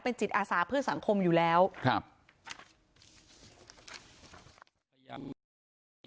จิตอาสาเพื่อสังคมอยู่แล้วครับ